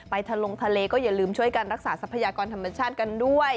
ทะลงทะเลก็อย่าลืมช่วยกันรักษาทรัพยากรธรรมชาติกันด้วย